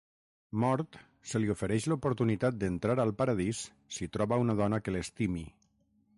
Mort, se li ofereix l'oportunitat d'entrar al paradís si troba una dona que l'estimi.